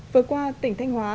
vừa qua tỉnh thanh hóa